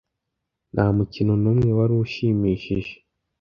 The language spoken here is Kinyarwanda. Nta mukino n'umwe wari ushimishije.